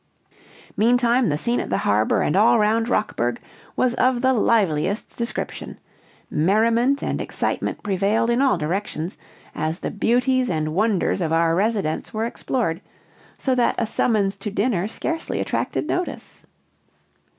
Meantime the scene at the harbor and all round Rockburg was of the liveliest description; merriment and excitement prevailed in all directions, as the beauties and wonders of our residence were explored, so that a summons to dinner scarcely attracted notice.